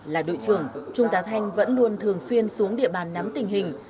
là đội trưởng trung tá thanh vẫn luôn thường xuyên xuống địa bàn nắm tình hình